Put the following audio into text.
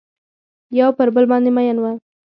یو پر بل باندې میین وه